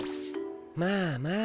まあまあ。